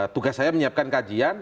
tugas saya menyiapkan kajian